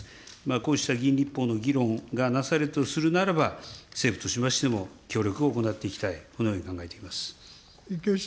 こうした議員立法の議論がなされるとするならば、政府としましても協力を行っていきたい、このように考えています。